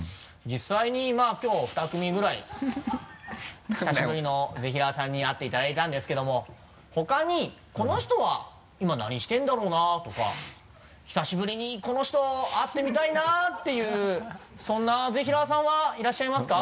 実際にまぁきょう二組ぐらい久しぶりのぜひらーさんに会っていただいたんですけども他に「この人は今何してるんだろうな？」とか「久しぶりにこの人会ってみたいな」っていうそんなぜひらーさんはいらっしゃいますか？